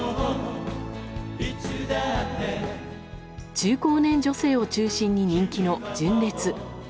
中高年女性を中心に人気の純烈。